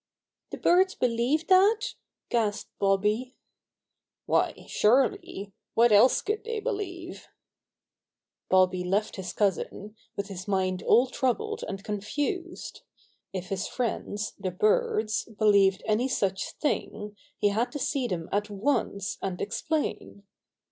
"The birds believe that?" gasped Bobby. Bobby Hears Unpleasant News 85 "Why, surely! What else could they be lieve ?'' Bobby left his cousin, with his mind all troubled and confused. If his friends, the birds, believed any such thing, he had to see them at once, and explain.